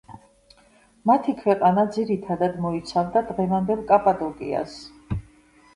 მათი ქვეყანა ძირითადად მოიცავდა დღევანდელ კაპადოკიას.